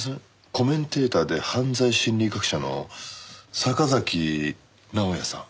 コメンテーターで犯罪心理学者の坂崎直哉さん。